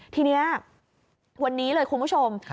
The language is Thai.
ทีนี้วันนี้เลยคุณผู้ชม